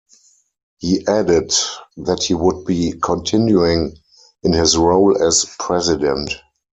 He added that he would be continuing in his role as president.